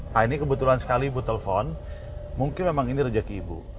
nah ini kebetulan sekali ibu telpon mungkin memang ini rezeki ibu